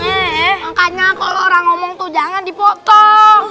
eh makanya kalau orang ngomong tuh jangan dipotong